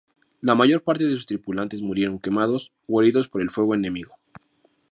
La mayor parte de sus tripulantes murieron quemados o heridos por el fuego enemigo.